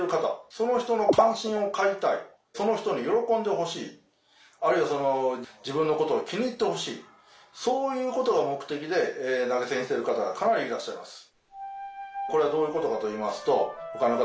その人の歓心を買いたいその人に喜んでほしいあるいはその自分のことを気に入ってほしいそういうことが目的で投げ銭してる方がかなりいらっしゃいます。